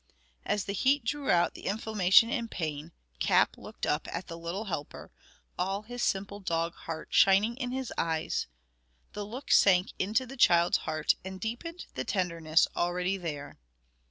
As the heat drew out the inflammation and pain, Cap looked up at the little helper, all his simple dog heart shining in his eyes; the look sank into the child's heart and deepened the tenderness already there.